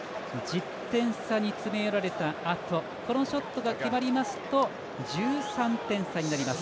１０点差に詰め寄られたあとこのショットが決まりますと１３点差になります。